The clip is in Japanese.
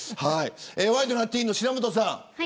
ワイドナティーンの白本さん。